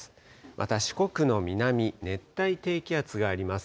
また四国の南、熱帯低気圧があります。